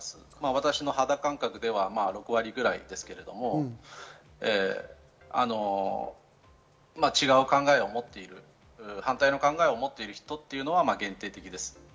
私の肌感覚では５割くらいですけれども、違う考えを持っている、反対の考えを持っている人は限定的です。